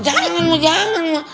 jangan ma jangan ma